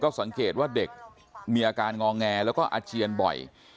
สังเกตว่าเด็กมีอาการงอแงแล้วก็อาเจียนบ่อย